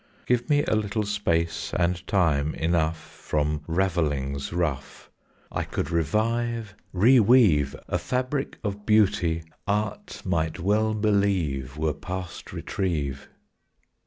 Give me a little space and time enough, From ravelings rough I could revive, reweave, A fabric of beauty art might well believe Were past retrieve.